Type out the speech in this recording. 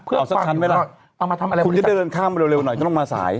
เอาสักชั้นไหมล่ะคุณจะเดินข้ามเร็วหน่อยจะต้องมาสาย